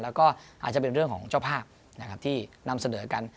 อาจจะเป็นเรื่องของเจ้าภาพที่นำเสนอนกัน